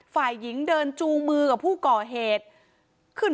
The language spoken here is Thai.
ฝ่ายหญิงเดินจูงมือกับผู้ก่อเหตุขึ้น